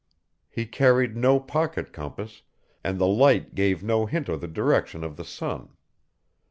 He carried no pocket compass, and the light gave no hint of the direction of the sun.